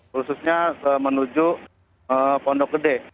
khususnya menuju pondok gede